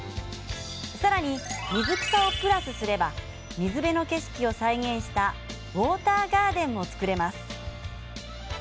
さらに、水草をプラスすれば水辺の景色を再現したウォーターガーデンも作れます。